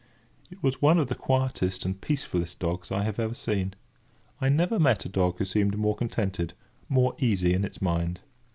It was one of the quietest and peacefullest dogs I have ever seen. I never met a dog who seemed more contented—more easy in its mind.